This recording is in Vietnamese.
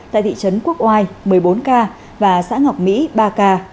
tại thị trấn quốc oai một mươi bốn ca và xã ngọc mỹ ba ca